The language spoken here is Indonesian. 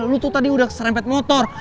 lo tuh tadi udah serempet motor